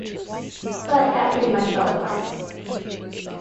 But that pretty much fell apart.